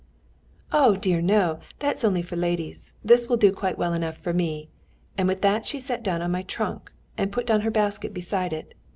"Oh, dear, no! That's only for ladies! This will do quite well enough for me." And with that she sat down on my trunk, and put down her basket beside it.